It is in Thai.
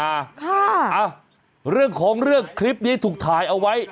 อ่ะเรื่องของเรื่องคลิปนี้ถูกถ่ายเอาไว้